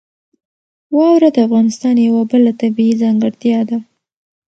واوره د افغانستان یوه بله طبیعي ځانګړتیا ده.